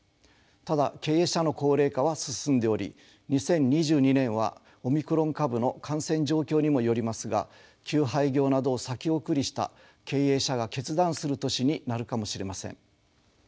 ただ経営者の高齢化は進んでおり２０２２年はオミクロン株の感染状況にもよりますが休廃業などを先送りした経営者が決断する年になるかもしれません。